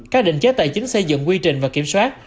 các định chế tài chính xây dựng quy trình và kiểm soát